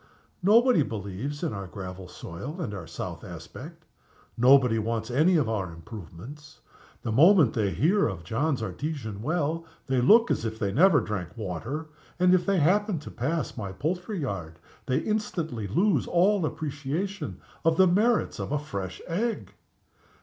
Nobody believes in our gravel soil and our south aspect. Nobody wants any of our improvements. The moment they hear of John's Artesian well, they look as if they never drank water. And, if they happen to pass my poultry yard, they instantly lose all appreciation of the merits of a fresh egg!"